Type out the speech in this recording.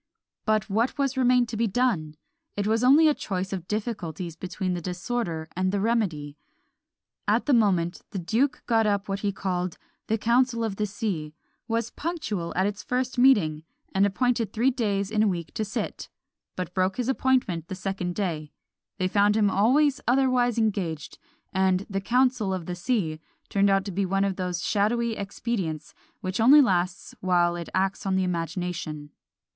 But what remained to be done? It was only a choice of difficulties between the disorder and the remedy. At the moment, the duke got up what he called "The council of the sea;" was punctual at its first meeting, and appointed three days in a week to sit but broke his appointment the second day they found him always otherwise engaged; and "the council of the sea" turned out to be one of those shadowy expedients which only lasts while it acts on the imagination.